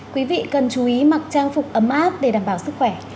quý vị cần chú ý mặc trang phục ấm áp để đảm bảo sức khỏe